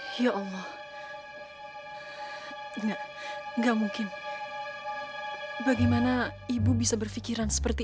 hai ya allah enggak enggak mungkin bagaimana ibu bisa berpikiran seperti